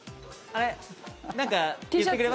あれ？